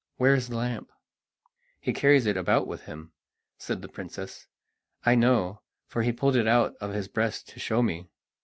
Where is the lamp?" "He carries it about with him," said the princess, "I know, for he pulled it out of his breast to show me.